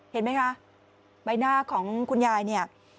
เห็นไหมคะใบหน้าของคุณยายเนี่ย